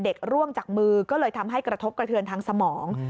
ร่วงจากมือก็เลยทำให้กระทบกระเทือนทางสมอง